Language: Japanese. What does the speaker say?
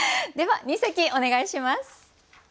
では二席お願いします。